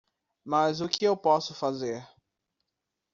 Mas o que eu posso fazer?